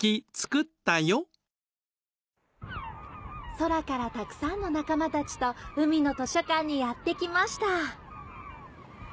空からたくさんの仲間たちとうみのとしょかんにやってきました